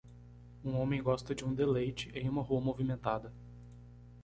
Um homem gosta de um deleite em uma rua movimentada.